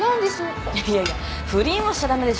いやいやいや不倫はしちゃ駄目でしょ。